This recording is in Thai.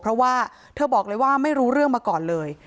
เพราะว่าเธอบอกเลยว่าไม่รู้เรื่องมาก่อนเลย